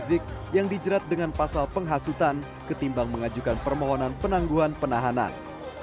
rizik yang dijerat dengan pasal penghasutan ketimbang mengajukan permohonan penangguhan penahanan